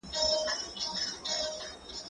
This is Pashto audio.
ميوې د زهشوم له خوا خوړل کيږي؟!